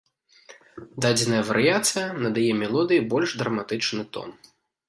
Дадзеная варыяцыя надае мелодыі больш драматычны тон.